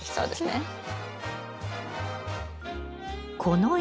はい。